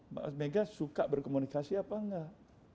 mbak mega suka berkomunikasi atau tidak